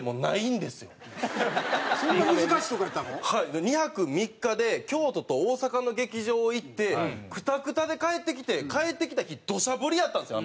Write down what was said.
で２泊３日で京都と大阪の劇場行ってくたくたで帰ってきて帰ってきた日土砂降りやったんですよ